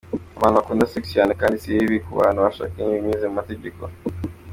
Abantu bakunda sex cyane kandi si bibi ku bantu bashakanye binyuze mu mategeko.